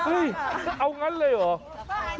เอางั้นเลยเหรอ